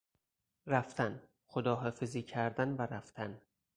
رفتن، خداحافظی کردن و رفتن